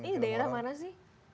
ini daerah mana sih